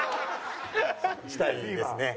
したいですね。